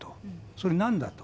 それ、なんだと。